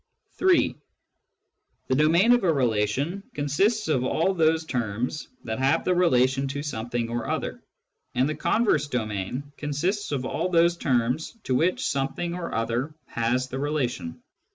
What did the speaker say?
(3) The domain of a relation consists of all those terms that have the relation to something or other, and the converse domain consists of all those terms to which something or other has the relation.